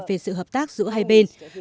về sự hợp tác giữa các nguyên tắc